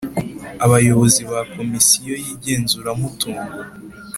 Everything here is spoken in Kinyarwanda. Abayobozi ba Komisiyo y igenzuramutungo